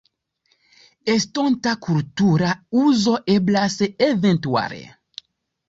Estonta kultura uzo eblas eventuale.